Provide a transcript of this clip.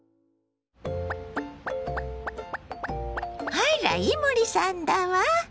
あら伊守さんだわ！